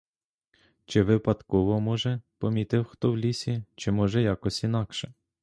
Чи випадково, може, помітив хто в лісі, чи, може, якось інакше?